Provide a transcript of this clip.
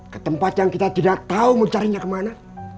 ke tempat yang kita tidak tahu mencarinya ke mana